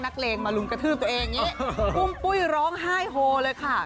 กุ้มปุ้ยร้องไห้โฮเลยค่ะ